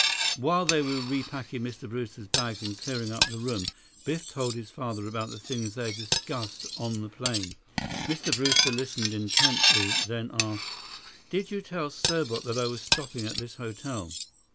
While they were repacking Mr. Brewster's bags and clearing up the room, Biff told his father about the things they had discussed on the plane. Mr. Brewster listened intently, then asked: "Did you tell Serbot that I was stopping at this hotel?"